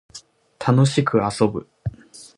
楽しく遊ぶ